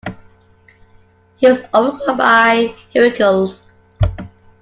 He was overcome by Heracles.